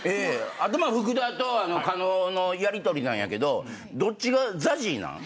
あと福田と加納のやりとりなんやけどどっちがＺＡＺＹなん？